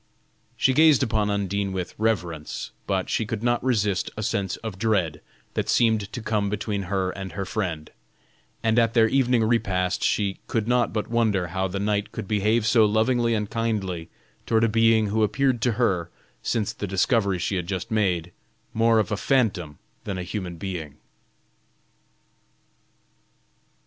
She gazed upon Undine with reverence, but she could not resist a sense of dread that seemed to come between her and her friend, and at their evening repast she could not but wonder how the knight could behave so lovingly and kindly toward a being who appeared to her, since the discovery she had just made, more of a phantom than a human being.